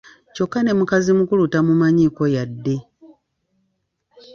Kyokka n'emukazi mukulu tamumanyiiko yadde.